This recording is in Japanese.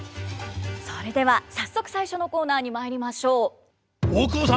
それでは早速最初のコーナーに参りましょう。